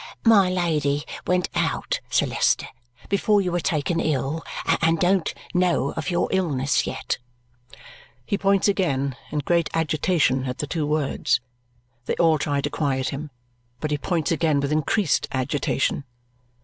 "My Lady went out, Sir Leicester, before you were taken ill, and don't know of your illness yet." He points again, in great agitation, at the two words. They all try to quiet him, but he points again with increased agitation.